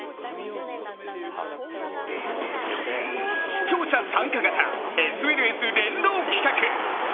視聴者参加型ＳＮＳ連動企画。